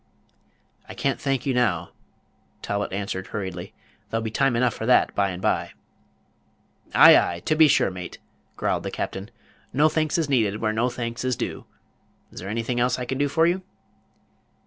"I can't thank you now," Talbot answered, hurriedly; "there'll be time enough for that by and by." Page 197 "Ay, ay, to be sure, mate," growled the captain; "no thanks is needed where no thanks is due. Is there anything else I can do for you?"